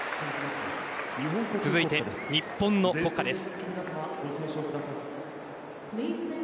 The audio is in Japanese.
続いて、日本の国歌です。